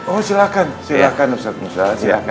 oh silakan silakan ustadz musa